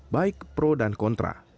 baik pro dan kontra